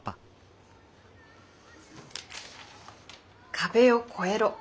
「壁を越えろ！」。